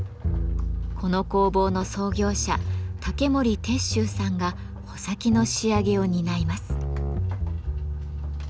この工房の創業者竹森鉄舟さんが穂先の仕上げを担います。